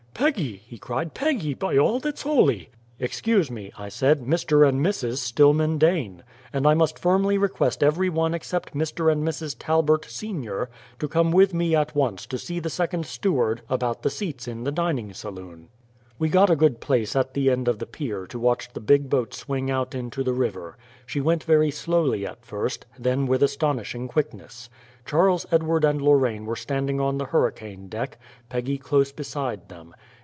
"Peggy!" he cried; "Peggy, by all that's holy!" "Excuse me," I said, "Mr. and Mrs. Stillman Dane! And I must firmly request every one except Mr. and Mrs. Talbert, senior, to come with me at once to see the second steward about the seats in the dining saloon." We got a good place at the end of the pier to watch the big boat swing out into the river. She went very slowly at first, then with astonishing quickness. Charles Edward and Lorraine were standing on the hurricane deck, Peggy close beside them.